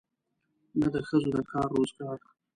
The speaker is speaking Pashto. نه د ښځو د کار روزګار.